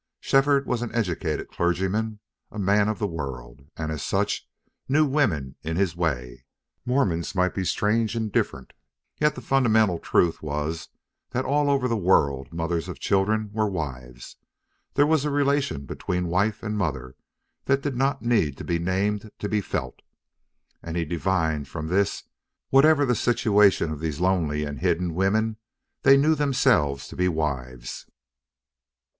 Shefford was an educated clergyman, a man of the world, and, as such, knew women in his way. Mormons might be strange and different, yet the fundamental truth was that all over the world mothers of children were wives; there was a relation between wife and mother that did not need to be named to be felt; and he divined from this that, whatever the situation of these lonely and hidden women, they knew themselves to be wives.